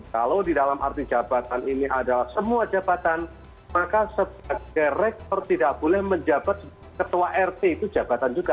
kalau di dalam arti jabatan ini adalah semua jabatan maka sebagai rektor tidak boleh menjabat ketua rt itu jabatan juga